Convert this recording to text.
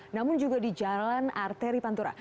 namun juga di jalan arteri pantura